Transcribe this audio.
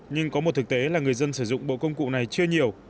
nhưng có một thực tế là người dân sử dụng bộ công cụ này chưa nhiều